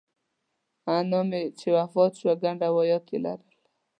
انا مې چې وفات شوه ګڼ روایات یې لرل.